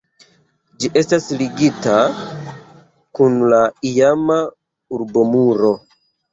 Ĝi estas ligita kun la iama urbomuro.